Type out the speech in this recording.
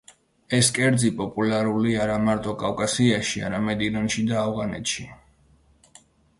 ეს კერძი პოპულარული არამარტო კავკასიაში, არამედ ირანში და ავღანეთში.